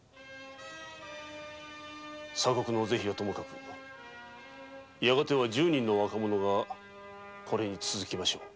鎖国の是非はともかくやがて十人の若者がこれに続きましょう。